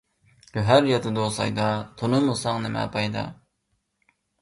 گۆھەر ياتىدۇ سايدا، تۇنۇمىساڭ نىمە پايدا.